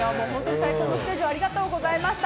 最高のステージをありがとうございました。